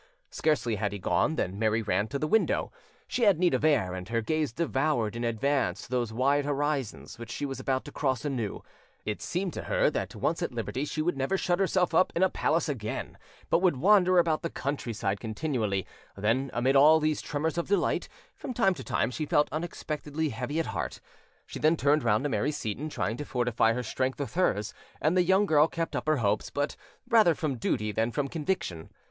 Scarcely had he gone than Mary ran to the window; she had need of air, and her gaze devoured in advance those wide horizons which she was about to cross anew; it seemed to her that once at liberty she would never shut herself up in a palace again, but would wander about the countryside continually: then, amid all these tremors of delight, from time to time she felt unexpectedly heavy at heart. She then turned round to Mary Seyton, trying to fortify her strength with hers, and the young girl kept up her hopes, but rather from duty than from conviction.